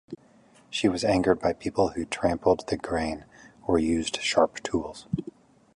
She was angered by people who trampled the grain or used sharp tools.